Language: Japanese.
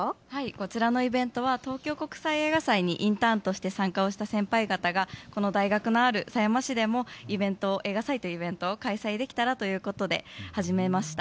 こちらのイベントは東京国際映画祭にインターンとして参加をした先輩方がこの大学のある狭山市でも映画祭というイベントを開催できたらということで始めました。